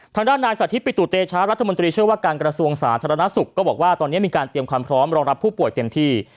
ทางด้านนายสาธิตปิตุเตชะรัฐมนตรีเชื่อว่าการกระทรวงสาธารณสุขก็บอกว่าตอนนี้มีการเตรียมความพร้อมรองรับผู้ป่วยเต็มที่